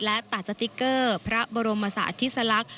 และตัดสติ๊กเกอร์พระบรมศาสตร์ธิสลักษณ์